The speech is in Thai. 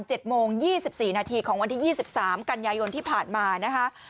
โมงยี่สิบสี่นาทีของวันที่ยี่สิบสามกันยายนที่ผ่านมานะคะ